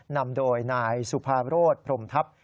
นำโดยนายสุภาโรธพรมทัพ